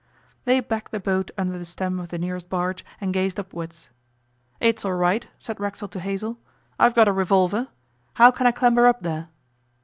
They backed the boat under the stem of the nearest barge and gazed upwards. 'It's all right,' said Racksole to Hazell; 'I've got a revolver. How can I clamber up there?